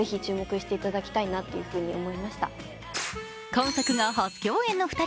今作が初共演の２人。